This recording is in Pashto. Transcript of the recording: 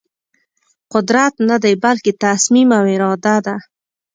قدرت ندی بلکې تصمیم او اراده ده.